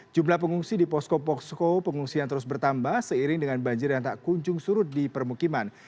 jumlah pengungsi di posko posko pengungsian terus bertambah seiring dengan banjir yang tak kunjung surut di permukiman